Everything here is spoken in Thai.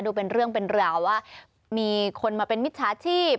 เป็นเรื่องเป็นราวว่ามีคนมาเป็นมิจฉาชีพ